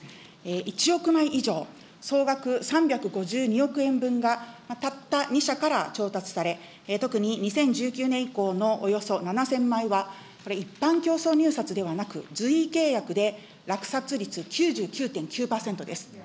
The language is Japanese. １億枚以上、総額３５２億円分が、たった２社から調達され、特に２０１９年以降のおよそ７０００枚は、これ、一般競争入札ではなく、随意契約で、落札率９９．９％です。